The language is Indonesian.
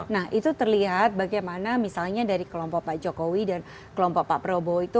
nah itu terlihat bagaimana misalnya dari kelompok pak jokowi dan kelompok pak prabowo itu